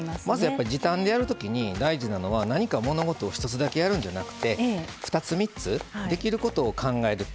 時短でやるときに大事なのは何か物事を一つだけやるんじゃなくて２つ、３つできることを考えると。